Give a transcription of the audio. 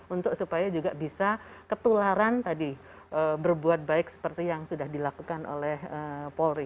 untuk supaya juga bisa ketularan tadi berbuat baik seperti yang sudah dilakukan oleh polri